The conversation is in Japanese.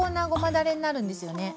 だれになるんですよね。